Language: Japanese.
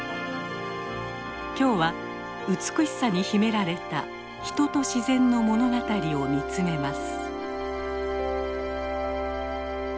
今日は美しさに秘められた人と自然の物語を見つめます。